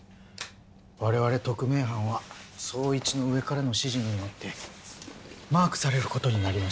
我々特命班は捜一の上からの指示によってマークされる事になりました。